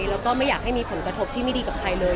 แล้วก็ไม่อยากให้มีผลกระทบที่ไม่ดีกับใครเลย